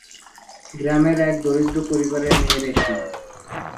গ্রামের এক দরিদ্র পরিবারের মেয়ে রেশমা।